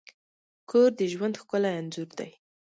کور د ژوند ښکلی انځور دی.